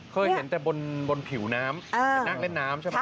เคยเห็นแต่บนผิวน้ำแต่นั่งเล่นน้ำใช่ไหม